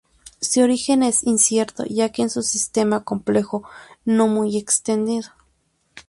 Su origen es incierto, ya que es un sistema complejo no muy extendido.